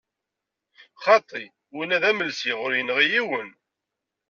Xaṭi, winna d amelsi, ur yenɣi yiwen.